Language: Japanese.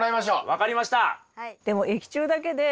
分かりました！